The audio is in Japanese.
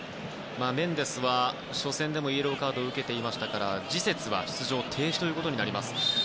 メンデスは初戦でもイエローカードを受けていましたから次節は出場停止となります。